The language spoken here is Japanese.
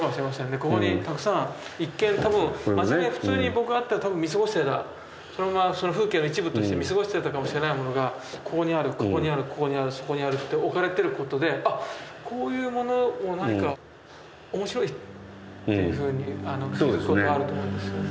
ここにたくさん一見多分真面目普通に僕だったら多分見過ごしてたそのままその風景の一部として見過ごしてたかもしれないものがここにあるここにあるここにあるそこにあるって置かれてることであっこういうものを何か面白いっていうふうに気付くことあると思うんですよね。